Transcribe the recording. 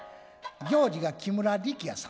行司が木村力弥さん